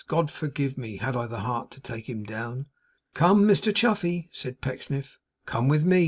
God forgive me! Had I the heart to take him down!' 'Come, Mr Chuffey,' said Pecksniff. 'Come with me.